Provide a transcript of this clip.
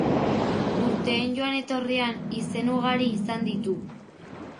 Urteen joan-etorrian, izen ugari izan ditu.